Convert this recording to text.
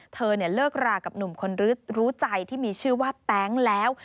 เธอเลิกรากับหนุ่มคนรู้ใจที่มีชื่อว่าแต๊งแล้ว